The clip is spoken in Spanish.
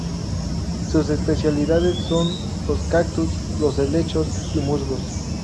Sus especialidades son los cactus, los helechos y musgos.